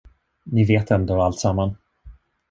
Ni vet ändå alltsamman.